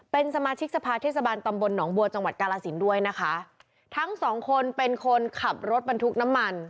เป็นสมาชิกสภาเทศบาลตำบลหนองบัวจังหวัดกาลสินด้วยนะคะทั้งสองคนเป็นคนขับรถบรรทุกน้ำมัน